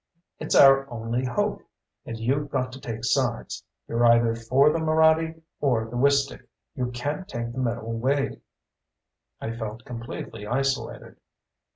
It's our only hope. And you've got to take sides. You're either for the Moraddy or the Wistick you can't take the middle way." I felt completely isolated.